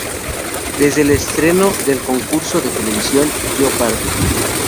Desde el estreno del concurso de televisión "Jeopardy!